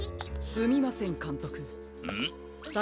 すみません監督。